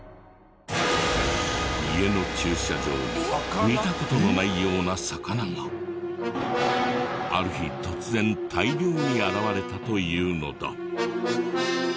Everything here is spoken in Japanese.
家の駐車場に見た事のないような魚がある日突然大量に現れたというのだ。